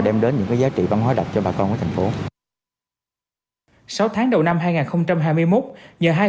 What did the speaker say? đem đến những cái giá trị văn hóa đặc cho bà con của thành phố sáu tháng đầu năm hai nghìn hai mươi một nhờ hai